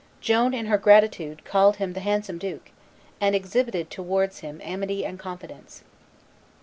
Joan, in her gratitude, called him the handsome duke, and exhibited towards him amity and confidence.